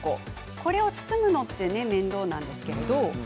これを包むというのが面倒なんですけれど。